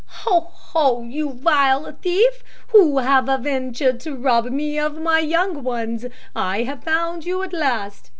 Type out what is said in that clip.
"Ho, ho! you vile thief, who have ventured to rob me of my young ones; I have found you at last!"